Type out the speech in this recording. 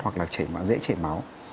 hoặc là dễ chảy máu